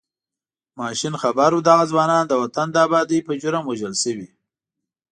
ماشین خبر و دغه ځوانان د وطن د ابادۍ په جرم وژل شوي.